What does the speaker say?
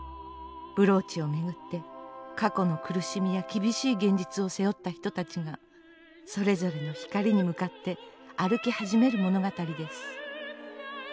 ブローチを巡って過去の苦しみや厳しい現実を背負った人たちがそれぞれの光に向かって歩き始める物語です。